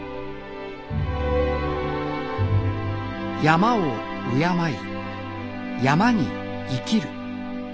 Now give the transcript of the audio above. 山を敬い山に生きる。